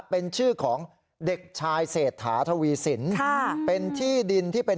เป็นชื่อของเด็กชายเสดอาแบบถาวีศิลป์